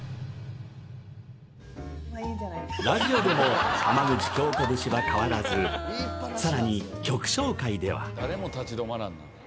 ラジオでも浜口京子節は変わらずさらに曲紹介では